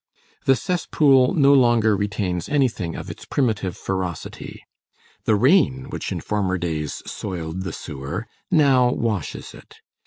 The cesspool no longer retains anything of its primitive ferocity. The rain, which in former days soiled the sewer, now washes it.